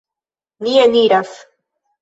Ni eniras.